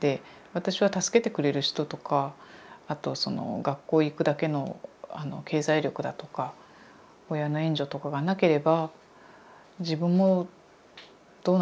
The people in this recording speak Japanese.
私は助けてくれる人とかあと学校へ行くだけの経済力だとか親の援助とかがなければ自分もどうなってたか分からないっていうか。